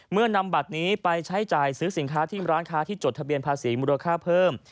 นำบัตรนี้ไปใช้จ่ายซื้อสินค้าที่ร้านค้าที่จดทะเบียนภาษีมูลค่าเพิ่ม